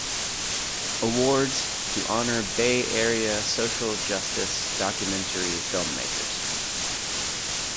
Awards to honor Bay Area social justice documentary filmmakers.